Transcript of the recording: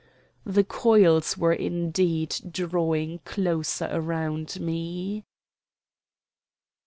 The coils were indeed drawing closer round me.